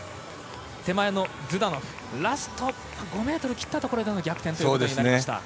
手前のズダノフラスト５ｍきったところでの逆転ということになりました。